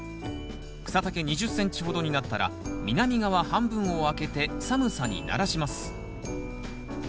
草丈２０ｃｍほどになったら南側半分をあけて寒さに慣らします。